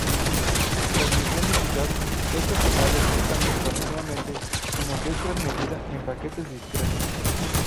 Transmisión digital: estas señales no cambian continuamente, sino que es transmitida en paquetes discretos.